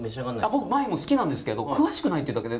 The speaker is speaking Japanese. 僕ワインも好きなんですけど詳しくないっていうだけで。